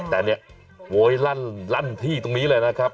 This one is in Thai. แต่เนี่ยโวยลั่นที่ตรงนี้เลยนะครับ